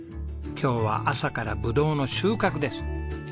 今日は朝からブドウの収穫です。